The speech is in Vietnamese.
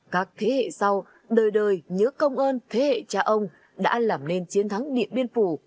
các thế hệ sau đời đời nhớ công ơn thế hệ cha ông đã làm nên chiến thắng điện biên phủ